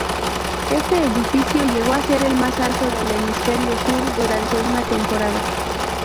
Este edificio llegó a ser el más alto del Hemisferio Sur durante una temporada.